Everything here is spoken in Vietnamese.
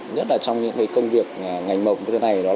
nhất là trong những công việc ngành mộng như thế này